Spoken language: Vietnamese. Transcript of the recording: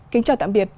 kính chào tạm biệt